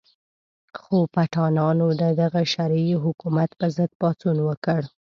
خو پټانانو د دغه شرعي حکومت په ضد پاڅون وکړ.